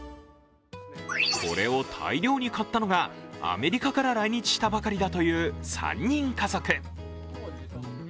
これを大量に買ったのがアメリカから来日したばかりだという３人家族。